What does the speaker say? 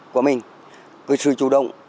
của mình sự chủ động